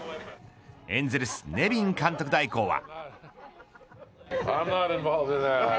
エンゼルス、ネビン監督代行は。